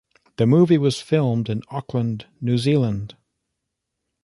The movie was filmed in Auckland, New Zealand.